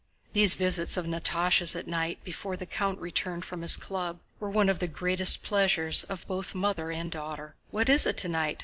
These visits of Natásha's at night before the count returned from his club were one of the greatest pleasures of both mother, and daughter. "What is it tonight?